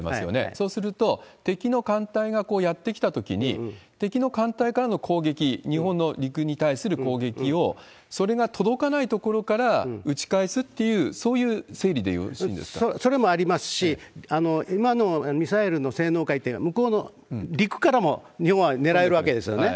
そうすると、敵の艦隊がこうやって来たときに、敵の艦隊からの攻撃、日本の陸に対する攻撃を、それが届かない所から撃ち返すっていう、それもありますし、今のミサイルの性能から言って、向こうの陸からも日本は狙えるわけですよね。